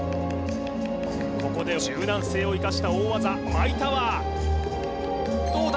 ここで柔軟性を生かした大技舞タワーどうだ？